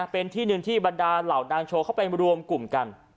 เป็นที่หนึ่งที่บรรดาเหล่านางโชว์เข้าไปรวมกลุ่มกัน